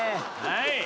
はい。